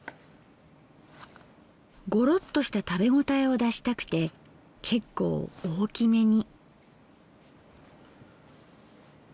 ゴロッとした食べ応えを出したくて結構大きめに。